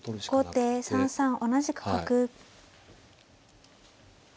後手３三同じく角。